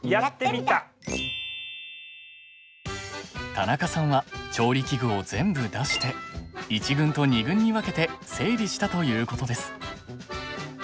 田中さんは調理器具を全部出して１軍と２軍に分けて整理したということです。